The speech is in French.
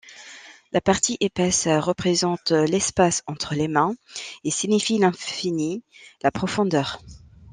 La partie épaisse représente l'espace entre les mains et signifie l'infini, la profondeur.